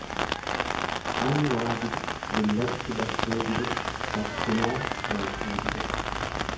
An waa dide dullachi bakkee dide bakkinaan marguu dide.